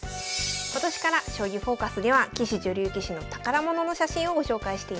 今年から「将棋フォーカス」では棋士女流棋士の宝物の写真をご紹介しています。